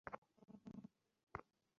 তখন অন্নপূর্ণার আশঙ্কা অন্য পথে গেল।